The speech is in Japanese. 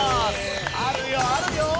あるよあるよ！